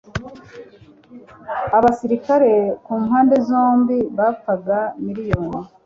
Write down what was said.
abasirikare kumpande zombi bapfaga miriyoni